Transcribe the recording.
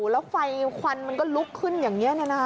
แล้วไฟควันมันก็ลุกขึ้นอย่างนี้